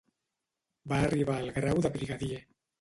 Va arribar al grau de brigadier.